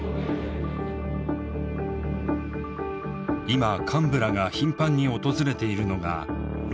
今幹部らが頻繁に訪れているのがロシア。